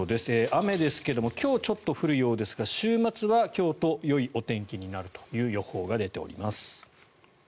雨ですが今日はちょっと降るようですが週末は京都よいお天気になるという予報が出ています。